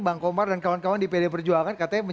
bang komar dan kawan kawan di pd perjuangan katanya